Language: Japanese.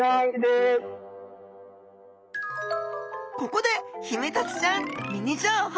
ここでヒメタツちゃんミニ情報！